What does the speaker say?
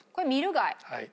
はい。